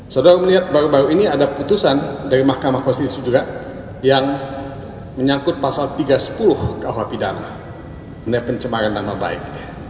saudara melihat baru baru ini ada putusan dari mahkamah konstitusi juga yang menyangkut pasal tiga ratus sepuluh kuh pidana mengenai pencemaran nama baik